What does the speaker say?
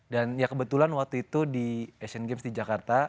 dan ya kebetulan waktu itu di asian games di jakarta